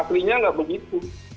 harga aslinya nggak begitu